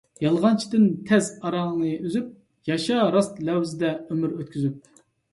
يالغانچىدىن تەز ئاراڭنى ئۈزۈپ، ياشا راست لەۋزدە ئۆمۈر ئۆتكۈزۈپ.